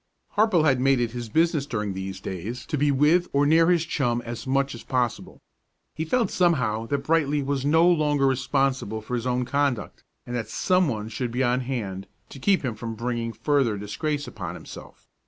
Harple had made it his business during these days to be with or near his chum as much as possible. He felt somehow that Brightly was no longer responsible for his own conduct, and that some one should be on hand to keep him from bringing further disgrace upon himself.